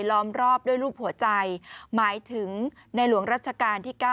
ล้อมรอบด้วยรูปหัวใจหมายถึงในหลวงรัชกาลที่๙